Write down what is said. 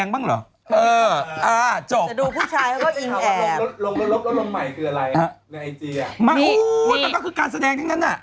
มันก็คือการแสดงทั้งนั้น